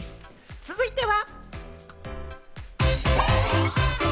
続いては。